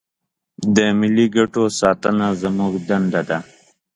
د ملي ګټو ساتنه زموږ دنده ده.